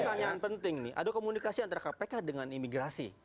pertanyaan penting nih ada komunikasi antara kpk dengan imigrasi